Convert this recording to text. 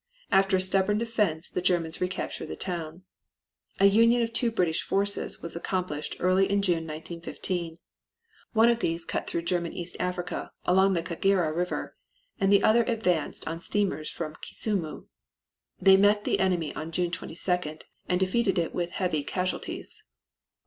After a stubborn defense the Germans recaptured the town. A union of two British forces was accomplished early in June, 1915. One of these cut through German East Africa along the Kagera River and the other advanced on steamers from Kisumu. They met the enemy on June 22d and defeated it with heavy casualties.